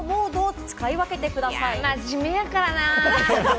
真面目やからな！